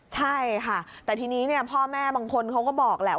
ใช่ค่ะแต่ทีนี้พ่อแม่บางคนเขาก็บอกแหละ